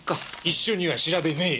一緒には調べねえ！